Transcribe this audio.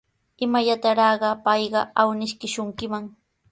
¿Imallataraqa payqa awniykishunkiman?